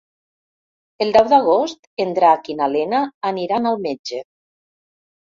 El deu d'agost en Drac i na Lena aniran al metge.